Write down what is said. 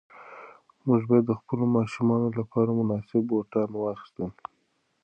موږ باید د خپلو ماشومانو لپاره مناسب بوټان واخیستل.